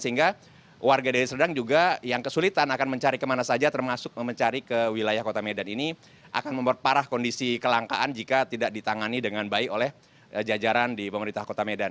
sehingga warga dari serdang juga yang kesulitan akan mencari kemana saja termasuk mencari ke wilayah kota medan ini akan memperparah kondisi kelangkaan jika tidak ditangani dengan baik oleh jajaran di pemerintah kota medan